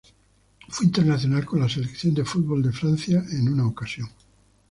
Fue internacional con la selección de fútbol de Francia en una ocasión.